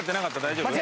大丈夫？